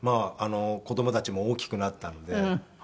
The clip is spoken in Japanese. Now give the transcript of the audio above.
子供たちも大きくなったので。